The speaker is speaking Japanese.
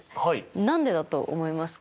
何でだと思いますか。